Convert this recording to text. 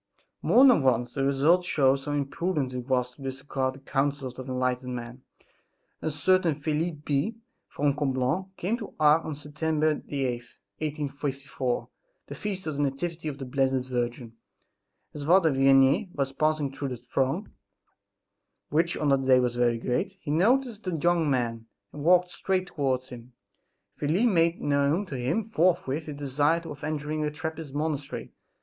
More than once the result shows how imprudent it was to disregard the counsels of that enlightened man. A certain Felix B. from Coblone, came to Ars on Sept. 8th, 1854, the feast of the Nativity of the Blessed Virgin. As Father Vianney was passing through the throng, which on that day was very great, he noticed the young man, and walked straight towards him. Felix made known to him forthwith his desire of entering a Trappist monastery.